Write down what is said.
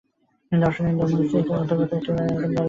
দর্শনেন্দ্রিয় মস্তিষ্কের অন্তর্গত একটি স্নায়ুকেন্দ্রে অবস্থিত।